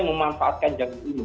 memanfaatkan jalur ini